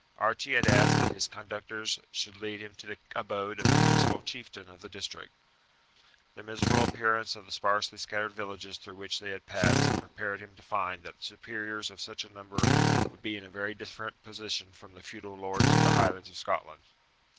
Archie had asked that his conductors should lead him to the abode of the principal chieftain of the district. The miserable appearance of the sparsely scattered villages through which they had passed had prepared him to find that the superiors of such a people would be in a very different position from the feudal lords of the Highlands of Scotland.